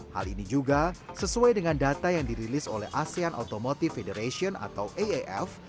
hal ini juga sesuai dengan data yang dirilis oleh asean automotive federation atau aaf